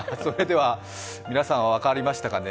皆さんわかりましたかね。